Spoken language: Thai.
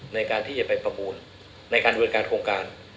ในการที่จะไปประมูลในการบริการโครงการ